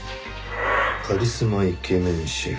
「カリスマイケメンシェフ？